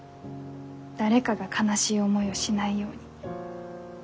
誰かが悲しい思いをしないように守ってあげてる。